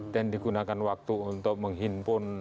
dan digunakan waktu untuk menghimpun